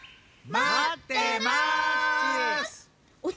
まってますっち！